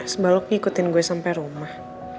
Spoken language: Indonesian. s baluk ngikutin gue sampe rumah